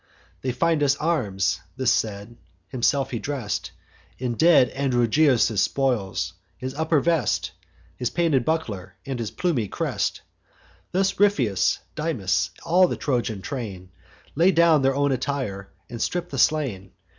They find us arms.' This said, himself he dress'd In dead Androgeos' spoils, his upper vest, His painted buckler, and his plumy crest. Thus Ripheus, Dymas, all the Trojan train, Lay down their own attire, and strip the slain.